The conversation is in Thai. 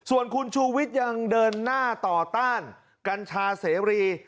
ส่วนคุณชูวิทย์ยังเดินหน้าต่อต้านกัญชาเสรี